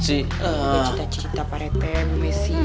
jauh banget sih